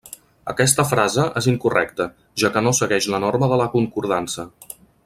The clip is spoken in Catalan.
Aquesta frase és incorrecta, ja que no segueix la norma de la concordança.